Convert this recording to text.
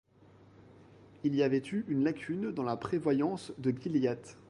Il y avait eu une lacune dans la prévoyance de Gilliatt.